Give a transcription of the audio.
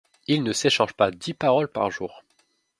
Il ne s’échange pas dix paroles par jour.